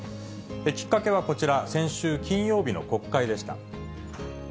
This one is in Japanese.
きっかけはこちら、先週金曜日の国会でした。